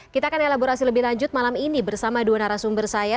kita akan elaborasi lebih lanjut malam ini bersama dua narasumber saya